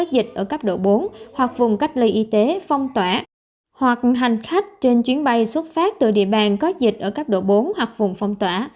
dịch ở cấp độ bốn hoặc vùng cách ly y tế phong tỏa hoặc hành khách trên chuyến bay xuất phát từ địa bàn có dịch ở cấp độ bốn hoặc vùng phong tỏa